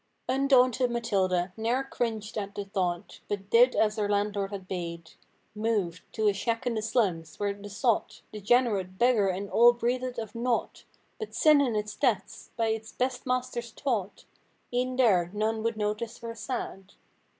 Undaunted Matilda—ne'er cringed at the thought. But did as her landlord had bade. Moved. To a shack in the slums, where the sot. Degenerate, beggar and all breathed of nought But sin in its depths—by its best masters taught. E'en there none would notice her sad.